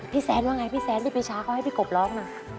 แซนว่าไงพี่แซนพี่ปีชาเขาให้พี่กบร้องนะ